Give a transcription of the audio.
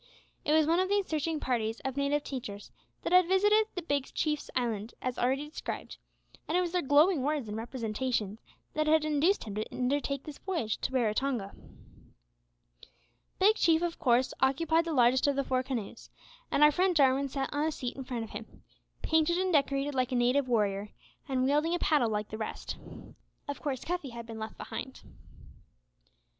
It was one of these searching parties of native teachers that had visited the Big Chief's island as already described, and it was their glowing words and representations that had induced him to undertake this voyage to Raratonga. Big Chief of course occupied the largest of the four canoes, and our friend Jarwin sat on a seat in front of him painted and decorated like a native warrior, and wielding a paddle like the rest. Of course Cuffy had been left behind.